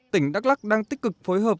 tỉnh đắk lắc đang tích cực phối hợp